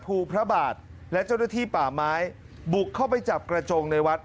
พระบาทและเจ้าหน้าที่ป่าไม้บุกเข้าไปจับกระจงในวัด